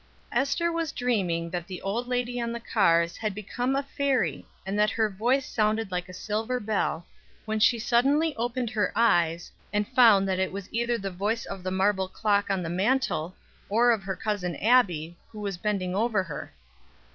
Ester was dreaming that the old lady on the cars had become a fairy, and that her voice sounded like a silver bell, when she suddenly opened her eyes, and found that it was either the voice of the marble clock on the mantel, or of her Cousin Abbie, who was bending over her.